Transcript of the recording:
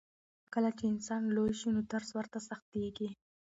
کله چې انسان لوی شي نو درس ورته سختېږي.